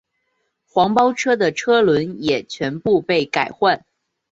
黄包车的车轮也全部被改换。